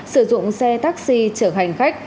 sử dụng xe taxi chở hành khách